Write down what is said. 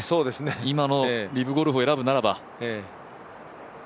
今のリブゴルフを選ぶならば。